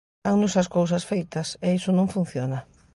Dannos as cousas feitas, e iso non funciona.